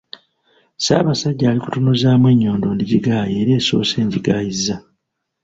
“Ssaabasajja alikutunuzaamu ennyondo ndigigaaya era esoose nagigaayizza.